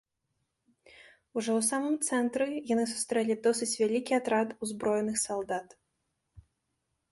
Ужо ў самым цэнтры яны сустрэлі досыць вялікі атрад узброеных салдат.